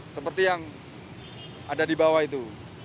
seperti yang ada di bawah itu